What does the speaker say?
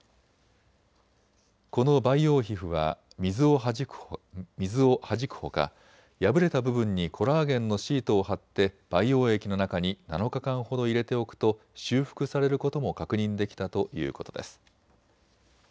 この培養皮膚は水をはじくほか破れた部分にコラーゲンのシートを貼って培養液の中に７日間ほど入れておくと修復されることも確認できたということです。